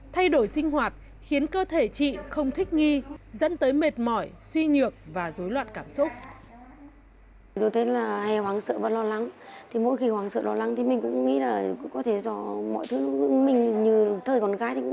thay đổi sinh hoạt khiến cơ thể chị không thích nghi dẫn tới mệt mỏi suy nhược và dối loạn cảm xúc